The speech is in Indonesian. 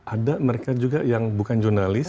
ada mereka juga yang bukan jurnalis